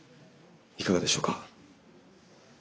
いかがでしょうか？